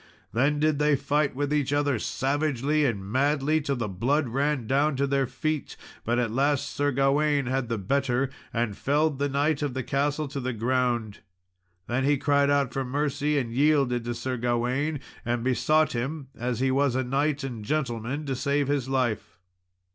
Then did they fight with each other savagely and madly, till the blood ran down to their feet. But at last Sir Gawain had the better, and felled the knight of the castle to the ground. Then he cried out for mercy, and yielded to Sir Gawain, and besought him as he was a knight and gentleman to save his life.